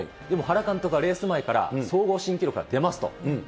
でも原監督はレース前から総合新記録は出ますと。